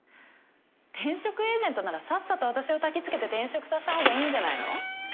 転職エージェントならさっさと私をたきつけて転職させたほうがいいんじゃないの？